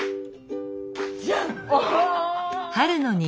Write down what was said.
じゃん！